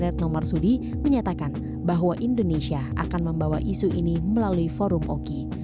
red nomar sudi menyatakan bahwa indonesia akan membawa isu ini melalui forum oki